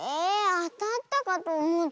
あたったかとおもった。